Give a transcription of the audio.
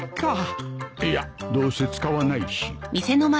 いやどうせ使わないし